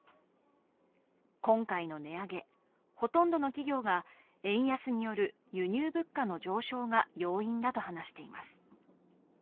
今回の値上げ、ほとんどの企業が円安による輸入物価の上昇が要因だと話しています。